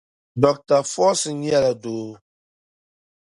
Dr. Forson nyɛla doo